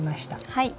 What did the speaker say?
はい。